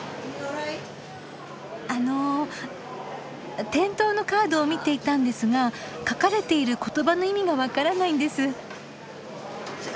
あの店頭のカードを見ていたんですが書かれている言葉の意味が分からないんです。